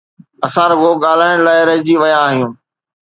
اسان رڳو ڳالهائڻ لاءِ رهجي ويا آهيون.